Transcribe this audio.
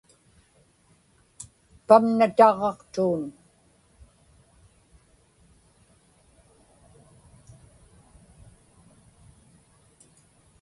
pamna taġġaqtuun